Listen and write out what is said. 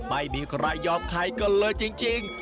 ไม่มีใครยอมใครกันเลยจริง